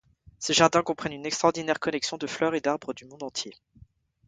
Ces jardins comprennent une extraordinaire collection de fleurs et d'arbres du monde entier.